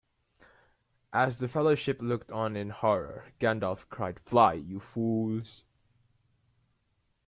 As the Fellowship looked on in horror, Gandalf cried Fly, you fools!